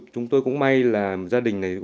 chúng tôi cũng may là gia đình này